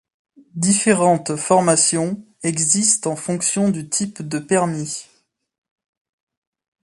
Différentes formations existent en fonction du type de permis.